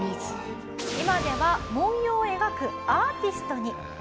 今では文様を描くアーティストに。